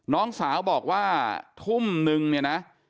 น้องสาวบอกว่าทุ่มนึงเนี่ยนะ